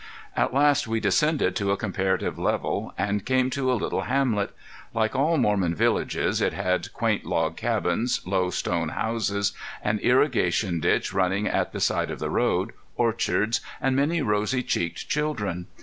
At last we descended to a comparative level and came to a little hamlet. Like all Mormon villages it had quaint log cabins, low stone houses, an irrigation ditch running at the side of the road, orchards, and many rosy cheeked children.